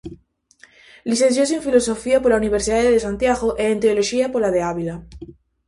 Licenciouse en Filosofía pola Universidade de Santiago e en Teoloxía pola de Ávila.